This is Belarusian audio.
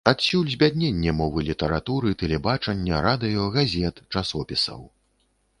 Адсюль збядненне мовы літаратуры, тэлебачання, радыё, газет, часопісаў.